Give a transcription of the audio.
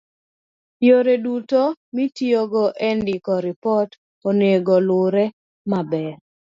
yore duto ma itiyogo e ndiko ripot onego lure maber